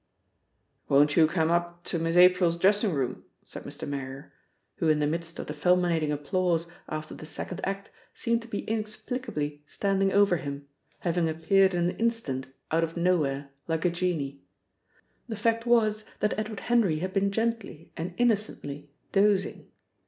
"Won't you cam up to Miss April's dressing room?" said Mr. Marrier, who in the midst of the fulminating applause after the second act seemed to be inexplicably standing over him, having appeared in an instant out of nowhere like a genie. The fact was that Edward Henry had been gently and innocently dozing.